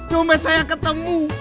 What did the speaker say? nomad saya ketemu